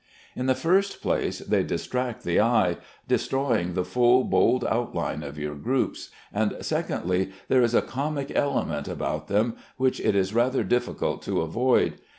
In the first place, they distract the eye, destroying the full bold outline of your groups, and, secondly, there is a comic element about them which it is rather difficult to avoid.